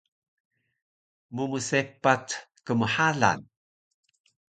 mmsepac kmxalan